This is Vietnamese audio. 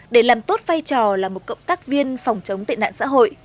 để làm tốt vai trò là một cộng tác viên phòng chống tệ nạn xã hội